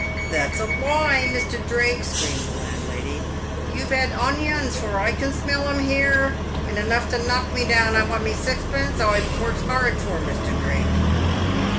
" That's a loie, Misther Drake," screamed the landlady ;" you've had onneyons, for oi can smell them heare, and enough to knock me down. I want mee saxpence oi've wurruked harrud for, Mr. Drake."